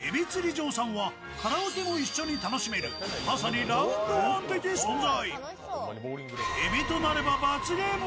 今回お邪魔した至善えび釣り場さんは、カラオケも一緒に楽しめる、まさにラウンドワン的存在。